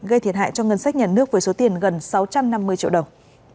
gây thiệt hại cho ngân sách nhà nước với số tiền gần sáu trăm năm mươi triệu đồng